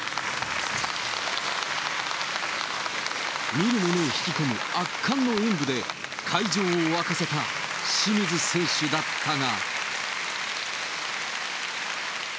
見る者を引き込む圧巻の演武で会場を沸かせた清水選手だったが。